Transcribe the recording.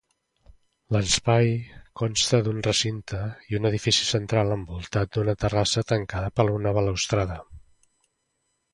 L'espai consta d'un recinte i un edifici central envoltat d'una terrassa tancada per una balustrada.